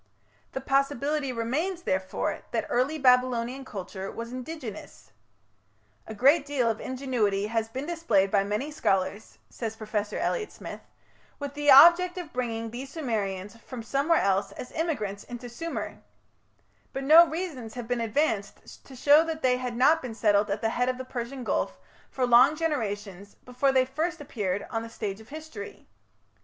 The possibility remains, therefore, that early Babylonian culture was indigenous. "A great deal of ingenuity has been displayed by many scholars", says Professor Elliot Smith, "with the object of bringing these Sumerians from somewhere else as immigrants into Sumer; but no reasons have been advanced to show that they had not been settled at the head of the Persian Gulf for long generations before they first appeared on the stage of history.